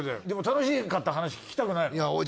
でも楽しかった話聞きたくないの？